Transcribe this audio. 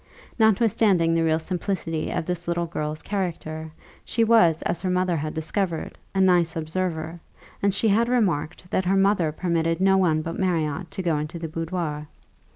Notwithstanding the real simplicity of this little girl's character, she was, as her mother had discovered, a nice observer, and she had remarked that her mother permitted no one but Marriott to go into the boudoir.